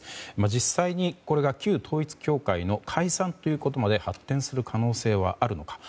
実際に、これが旧統一教会の解散ということまで発展する可能性はあるのか。